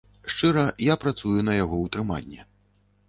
Шчыра, я працую на яго ўтрыманне.